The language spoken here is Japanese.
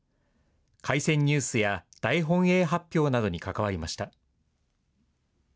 開戦ニュースや大本営発表などに関わりました。